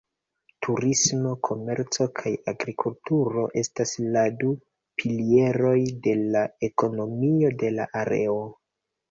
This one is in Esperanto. Turismo, komerco kaj agrikulturo estas la du pilieroj de la ekonomio de la areo.